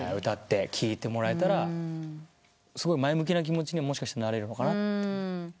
歌って聴いてもらえたらすごい前向きな気持ちにもしかしたらなれるのかなって。